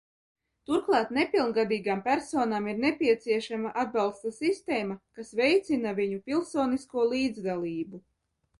Turklāt nepilngadīgām personām ir nepieciešama atbalsta sistēma, kas veicina viņu pilsonisko līdzdalību.